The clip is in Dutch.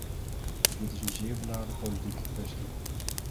Dit is een zeer beladen politieke kwestie.